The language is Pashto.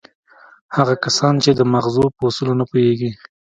هغه کسان چې د ماغزو په اصولو نه پوهېږي.